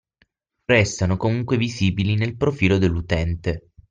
Restano comunque visibili nel profilo dell'utente